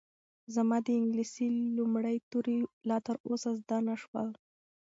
زما د انګلیسي لومړي توري لا تر اوسه زده نه شول.